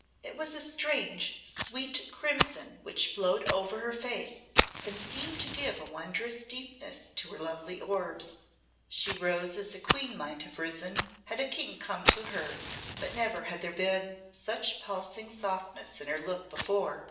It was a strange, sweet crimson which flowed over her face, and seemed to give a wondrous deepness to her lovely orbs. She rose as a queen might have risen had a king come to her, but never had there been such pulsing softness in her look before.